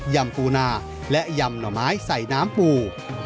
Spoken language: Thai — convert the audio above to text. ำปูนาและยำหน่อไม้ใส่น้ำปู